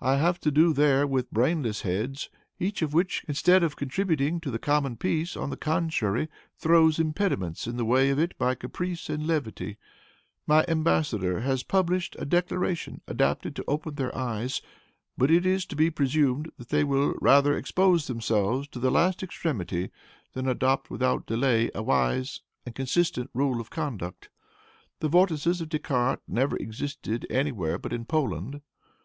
I have to do there with brainless heads, each of which, instead of contributing to the common peace, on the contrary, throws impediments in the way of it by caprice and levity. My embassador has published a declaration adapted to open their eyes. But it is to be presumed that they will rather expose themselves to the last extremity than adopt, without delay, a wise and consistent rule of conduct. The vortices of Descartes never existed anywhere but in Poland.